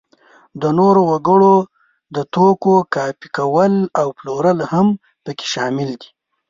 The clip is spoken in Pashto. د نورو وګړو د توکو کاپي کول او پلورل هم په کې شامل دي.